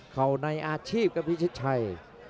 เขาในอาชีพครับพิชิตชัย